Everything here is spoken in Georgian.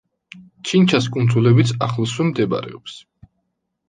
ჩინჩას კუნძულებიც ახლოსვე მდებარეობს.